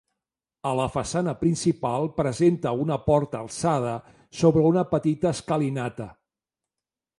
A la façana principal presenta una porta alçada sobre una petita escalinata.